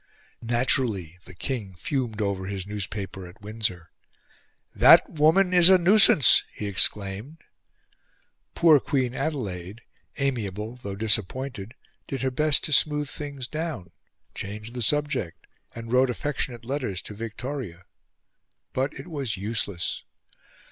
Naturally the King fumed over his newspaper at Windsor. "That woman is a nuisance!" he exclaimed. Poor Queen Adelaide, amiable though disappointed, did her best to smooth things down, changed the subject, and wrote affectionate letters to Victoria; but it was useless.